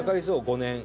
５年。